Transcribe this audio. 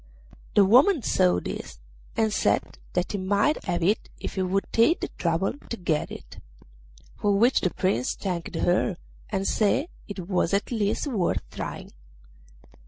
The woman saw this, and said that he might have it if he would take the trouble to get it; for which the Prince thanked her, and said it was at least worth trying.